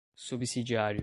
subsidiário